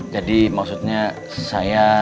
jadi maksudnya saya